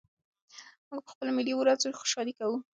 موږ په خپلو ملي ورځو خوشالي کوو.